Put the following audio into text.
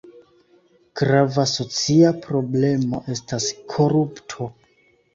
Grava socia problemo estas korupto.